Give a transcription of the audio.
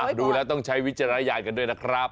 ดูแล้วต้องใช้วิจารณญาณกันด้วยนะครับ